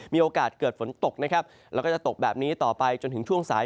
มีโอกาสเกิดฝนตกนะครับแล้วก็จะตกแบบนี้ต่อไปจนถึงช่วงสาย